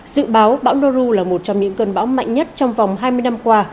dự báo bão noru là một trong những cơn bão mạnh nhất trong vòng hai mươi năm qua